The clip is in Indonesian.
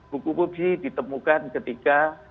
buku bukji ditemukan ketika